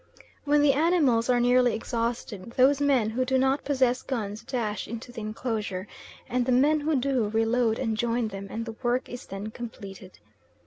When the animals are nearly exhausted, those men who do not possess guns dash into the enclosure, and the men who do, reload and join them, and the work is then completed.